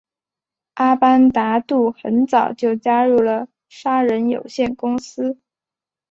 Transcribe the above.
阿班旦杜很早就加入了杀人有限公司。